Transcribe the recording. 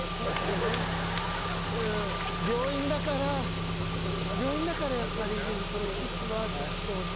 「病院だから病院だからやっぱりキスはちょっと」。